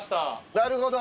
なるほど。